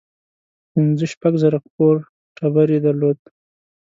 پنځه شپږ زره کور ټبر یې درلود.